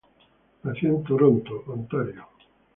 Nació en Toronto, Ontario.